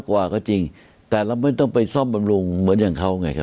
กว่าก็จริงแต่เราไม่ต้องไปซ่อมบำรุงเหมือนอย่างเขาไงครับ